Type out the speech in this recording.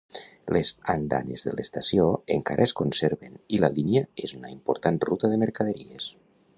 Les andanes de l'estació encara es conserven i la línia és una important ruta de mercaderies.